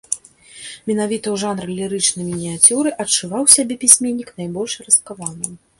Менавіта ў жанры лірычнай мініяцюры адчуваў сябе пісьменнік найбольш раскаваным.